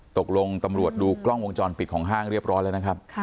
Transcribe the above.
ตำรวจดูกล้องวงจรปิดของห้างเรียบร้อยแล้วนะครับ